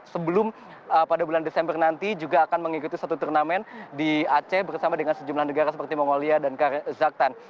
sebelum pada bulan desember nanti juga akan mengikuti satu turnamen di aceh bersama dengan sejumlah negara seperti mongolia dan kazakhtan